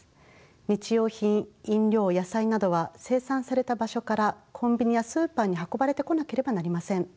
日用品飲料野菜などは生産された場所からコンビニやスーパーに運ばれてこなければなりません。